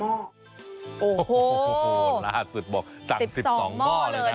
โอ้โหล่าสุดบอกสั่งสิบสองหม้อเลยนะสั่งสิบสองหม้อเลยนะ